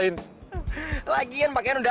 itu tembak ibu